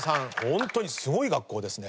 ホントにすごい学校ですね。